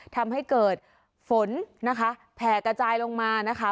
ทำให้เกิดฝนนะคะแผ่กระจายลงมานะคะ